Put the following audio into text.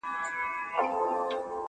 هغه د پېښې حقيقت غواړي ډېر،